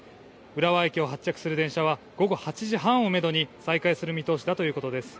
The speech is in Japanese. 浦和駅を発着する電車は午後８時半をめどに、再開する見通しだということです。